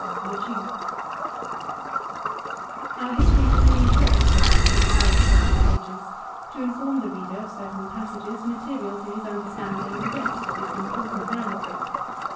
THE JEW Our history must needs retrograde for the space of a few pages, to inform the reader of certain passages material to his understanding the rest of this important narrative.